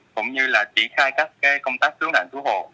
cũng như là triển khai các công tác cứu nạn cứu hộ